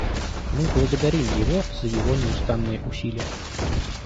Мы благодарим его за его неустанные усилия.